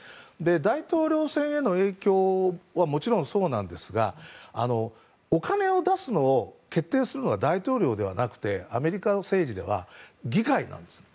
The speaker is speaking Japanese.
大統領選への影響はもちろんそうなんですがお金を出すのを決定するのは大統領ではなくてアメリカ政治では議会なんです。